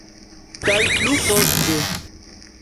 Kaj plu poste.